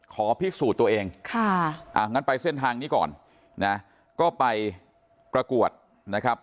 ขอพิสูจน์ตัวเองค่ะอ่างั้นไปเส้นทางนี้ก่อนนะก็ไปประกวดนะครับ